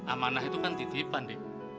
amanah itu kan titipan deh